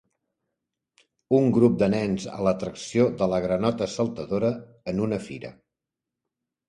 Un grup de nens a l'atracció de la granota saltadora en una fira.